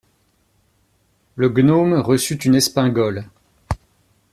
Le gnome reçut une espingole.